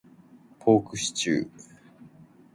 ポークシチュー